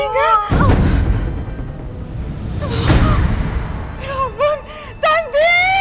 ya ampun tanti